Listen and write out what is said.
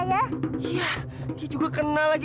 iya dia juga kena lagi